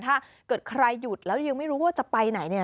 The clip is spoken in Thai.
ถ้าเกิดใครหยุดแล้วยังไม่รู้ว่าจะไปไหนเนี่ย